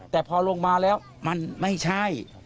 แต่พอลงมาแล้วมันไม่ใช่